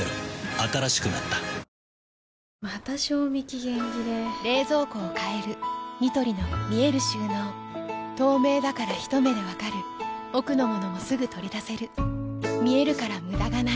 新しくなったまた賞味期限切れ冷蔵庫を変えるニトリの見える収納透明だからひと目で分かる奥の物もすぐ取り出せる見えるから無駄がないよし。